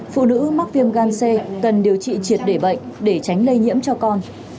phụ nữ mắc viêm gan c cần điều trị triệt để bệnh để tránh lây nhiễm cho con